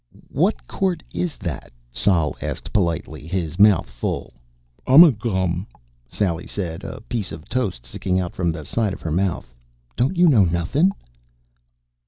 "What court is that?" Sol asked politely, his mouth full. "Umagum," Sally said, a piece of toast sticking out from the side of her mouth. "Don't you know nothin'?"